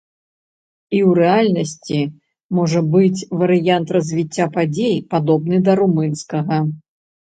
І ў рэальнасці можа быць варыянт развіцця падзей, падобны да румынскага.